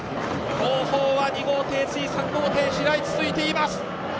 後方は２号艇、３号艇と続いています。